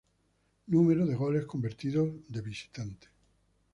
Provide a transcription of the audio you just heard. Número de goles convertidos de visitante.